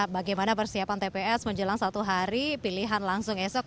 bagaimana persiapan tps menjelang satu hari pilihan langsung esok